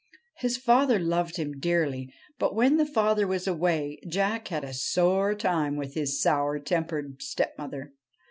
His father loved him dearly, but, when the father was away, Jack had a sore time with his sour tempered stepmother.